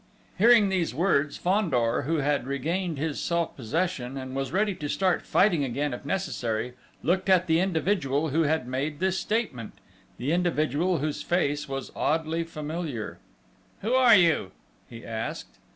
Hearing these words, Fandor, who had regained his self possession, and was ready to start fighting again if necessary, looked at the individual who had made this statement the individual whose face was oddly familiar. "Who are you?" he asked.